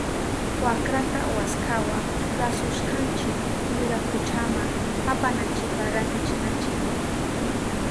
Wakrata waskawa lasushkanchi wirakuchama apananchipa rantichinanchipa.